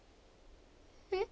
えっ。